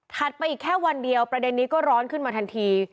ไปอีกแค่วันเดียวประเด็นนี้ก็ร้อนขึ้นมาทันที